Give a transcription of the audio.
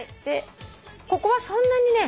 ここはそんなにね